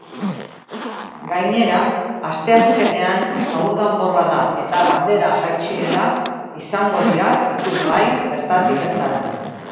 Gainera, asteazkenean haur danborrada eta bandera jaitsiera izango dira ikusgai bertatik bertara.